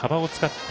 って